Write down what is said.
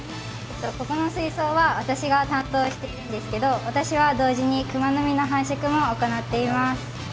ここの水槽は私が担当しているんですけど、私は同時にクマノミの繁殖も行っています。